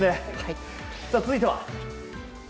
続いては。